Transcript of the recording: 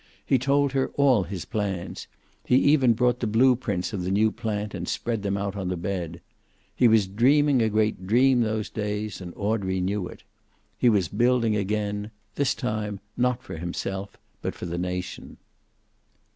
He told her all his plans; he even brought the blue prints of the new plant and spread them out on the bed. He was dreaming a great dream those days, and Audrey knew it. He was building again, this time not for himself, but for the nation.